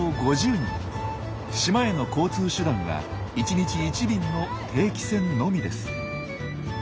島への交通手段は１日１便の定期船のみです。